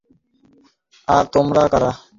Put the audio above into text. আর তোমরা কারা?